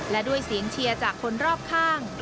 และด้วยเสียงเชียร์จากคนรอบข้าง